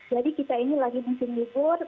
jadi kita ini lagi musim libur